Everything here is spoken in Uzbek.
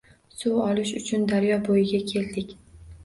Suv olish uchun daryo bo‘yiga keldik.